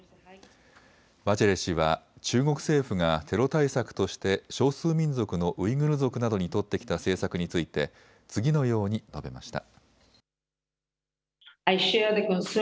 バチェレ氏は中国政府がテロ対策として少数民族のウイグル族などに取ってきた政策について次のように述べました。